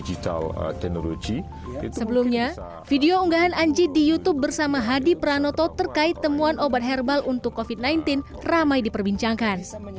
sebelumnya video unggahan anji di youtube bersama hadi pranoto terkait temuan obat herbal untuk covid sembilan belas ramai diperbincangkan